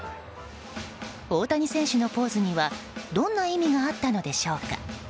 大谷選手のポーズにはどんな意味があったのでしょうか。